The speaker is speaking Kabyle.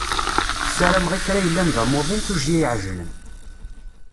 Ssarameɣ i kra yellan d amuḍin tujjya iɛejlen.